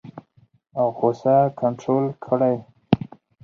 غوسه کنټرول کړئ